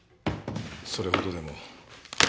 それほどでも。